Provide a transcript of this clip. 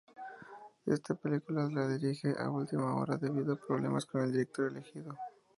Esta película la dirige a última hora debido a problemas con el director elegido.